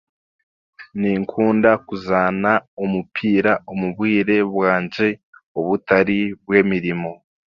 Ninkuunda kuzaana omupiira omu bwire bwangye obutari bw'emirimo